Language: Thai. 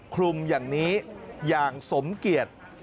คลุมอย่างนี้อย่างสมเกียจ